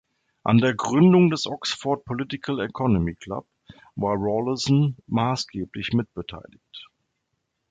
An der Gründung des Oxford Political Economy Club war Rawlinson maßgeblich mitbeteiligt.